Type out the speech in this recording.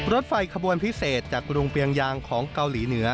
รถไฟขบวนพิเศษจากกรุงเปียงยางของเกาหลีเหนือ